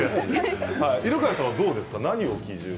犬飼さんは、どうですか。